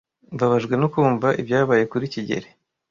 Mbabajwe no kumva ibyabaye kuri kigeli.